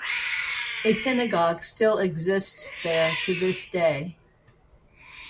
A synagogue still exists there to this day.